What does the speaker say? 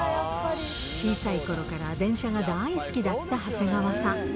小さいころから電車が大好きだった長谷川さん。